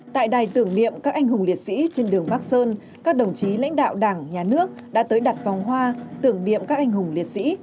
tại đài tưởng niệm các anh hùng liệt sĩ trên đường bắc sơn các đồng chí lãnh đạo đảng nhà nước đã tới đặt vòng hoa tưởng niệm các anh hùng liệt sĩ